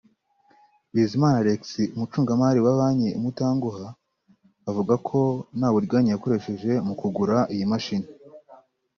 Bizimana Alex umucungamari wa banki Umutanguha avuga ko nta buriganya yakoresheje mu kugura iyi mashini